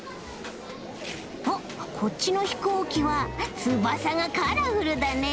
おっこっちのひこうきはつばさがカラフルだね